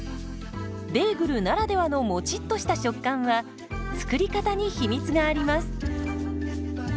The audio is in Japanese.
ベーグルならではのもちっとした食感は作り方に秘密があります。